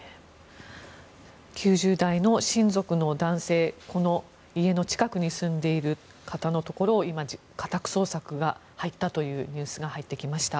９０代の親族の男性この家の近くに住んでいる方のところを今、家宅捜索が入ったというニュースが入ってきました。